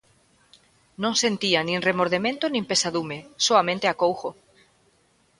Non sentía nin remordemento nin pesadume, soamente acougo.